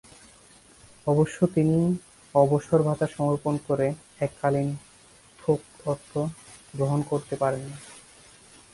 অবশ্য তিনি অবসরভাতা সমর্পণ করে এককালীন থোক অর্থ গ্রহণ করতে পারেন না।